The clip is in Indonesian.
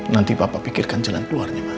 nanti papa pikirkan jalan keluarnya pak